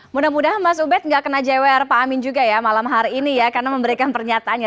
mudah mudahan mas ubed nggak kena jwr pak amin juga ya malam hari ini ya karena memberikan pernyataannya